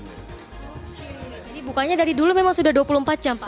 jadi bukanya dari dulu memang sudah dua puluh empat jam pak